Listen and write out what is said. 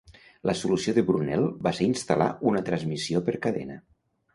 La solució de Brunel va ser instal·lar una transmissió per cadena.